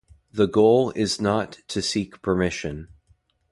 The goal is not to seek permission.